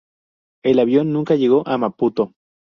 El avión nunca llegó a Maputo.